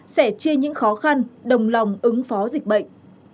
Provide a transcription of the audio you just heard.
sẽ chia những khó khăn đồng lòng ứng phó dịch bệnh